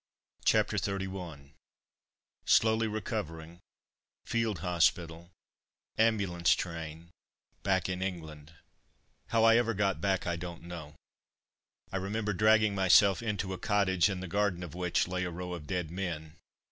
CHAPTER XXXI SLOWLY RECOVERING FIELD HOSPITAL AMBULANCE TRAIN BACK IN ENGLAND How I ever got back I don't know. I remember dragging myself into a cottage, in the garden of which lay a row of dead men.